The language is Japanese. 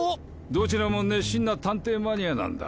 どちらも熱心な探偵マニアなんだ。